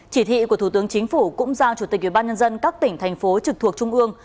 chỉ thị của thủ tướng chính phủ cũng giao chủ tịch ubnd các tỉnh thành phố trực thuộc trung ương